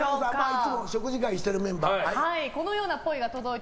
いつも食事会してるメンバー。